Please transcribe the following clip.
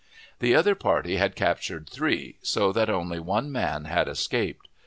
The other party had captured three, so that only one man had escaped.